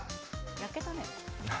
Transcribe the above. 焼けたね。